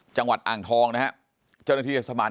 จังหวัดอ่างทองนะฮะเจ้าหน้าที่เทศบาล